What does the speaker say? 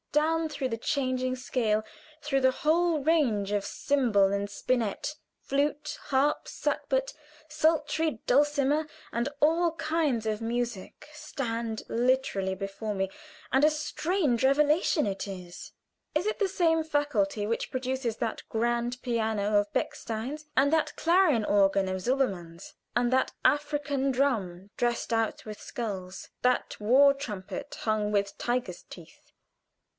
Down through the changing scale, through the whole range of cymbal and spinet, "flute, harp, sackbut, psaltery, dulcimer, and all kinds of music," stand literally before me, and a strange revelation it is. Is it the same faculty which produces that grand piano of Bechstein's, and that clarion organ of Silbermann's, and that African drum dressed out with skulls, that war trumpet hung with tiger's teeth?